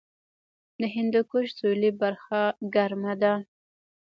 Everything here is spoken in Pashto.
د هندوکش سویلي برخه ګرمه ده